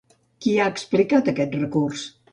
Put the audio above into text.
Qui ha explicat aquest recurs?